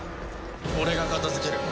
俺が片付ける。